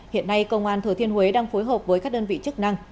hiện nay công an thừa thiên huế đang phối hợp với các đơn vị chức năng